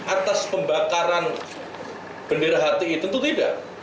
atas pembakaran bendera hti tentu tidak